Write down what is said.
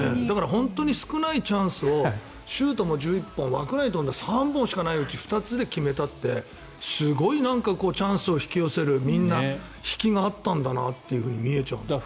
本当に少ないチャンスをシュートも１１本枠内に飛んだのが３本しかなくて２つで決めたってすごいチャンスを引き寄せるみんな、引きがあったんだなって見えちゃうんだね。